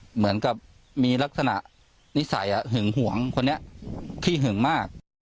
เหมือนกับมีลักษณะนิสัยหึงหวงคนนี้ขี้หึงมาก